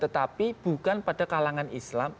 tetapi bukan pada kalangan islam